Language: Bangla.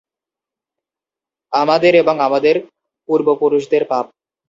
আমাদের এবং আমাদের পূর্বপুরুষদের পাপ!